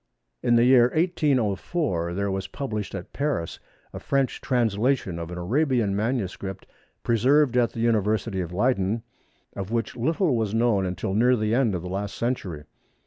In the year 1804 there was published at Paris a French translation of an Arabian manuscript preserved at the University of Leyden of which little was known until near the end of the last century.